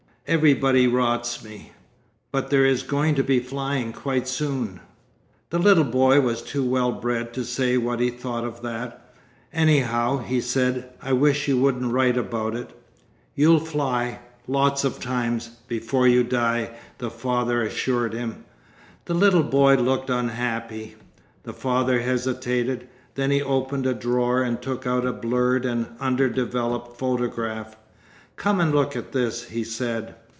Everybody rots me.' 'But there is going to be flying—quite soon.' The little boy was too well bred to say what he thought of that. 'Anyhow,' he said, 'I wish you wouldn't write about it.' 'You'll fly—lots of times—before you die,' the father assured him. The little boy looked unhappy. The father hesitated. Then he opened a drawer and took out a blurred and under developed photograph. 'Come and look at this,' he said.